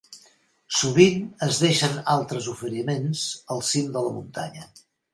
Sovint es deixen altres oferiments al cim de la muntanya.